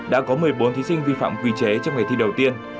đã có một mươi bốn thí sinh vi phạm quy chế trong ngày thi đầu tiên